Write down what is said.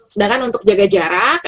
sedangkan untuk jaga jarak